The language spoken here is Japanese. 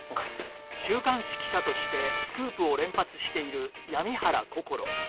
週刊誌記者としてスクープを連発している闇原こころ